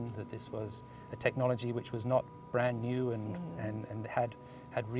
bahwa ini adalah teknologi yang tidak terlalu baru